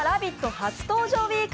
初登場ウィーク」